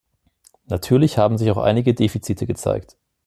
Natürlich haben sich auch einige Defizite gezeigt.